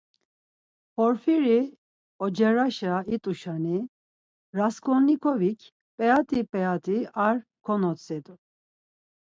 Porfiri ocareşa it̆uşani, Rasǩolnikovik p̌eat̆i p̌eat̆i ar konotzedu.